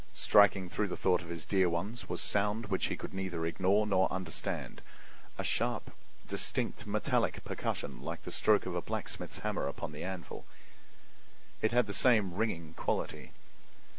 Striking through the thought of his dear ones was sound which he could neither ignore nor understand, a sharp, distinct, metallic percussion like the stroke of a blacksmith's hammer upon the anvil; it had the same ringing quality.